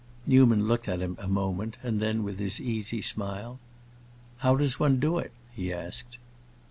Newman looked at him a moment, and then, with his easy smile, "How does one do it?" he asked.